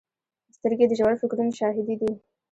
سترګې د ژور فکرونو شاهدې دي